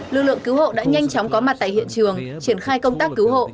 lực lượng cứu hộ đã nhanh chóng có mặt tại hiện trường triển khai công tác cứu hộ